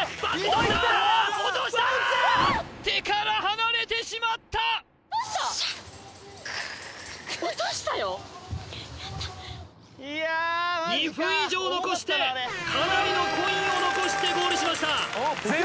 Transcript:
いやまいった２分以上残してかなりのコインを残してゴールしました